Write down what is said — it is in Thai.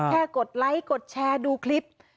กดไลค์กดแชร์ดูคลิป